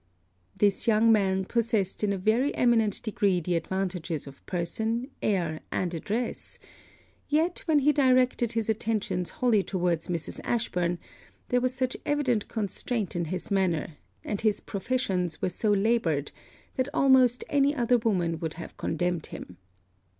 This young man possessed in a very emminent degree the advantages of person, air, and address; yet, when he directed his attentions wholly towards Mrs. Ashburn, there was such evident constraint in his manner, and his professions were so laboured, that almost any other woman would have condemned him.